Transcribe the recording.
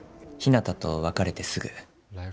ひなたと別れてすぐ。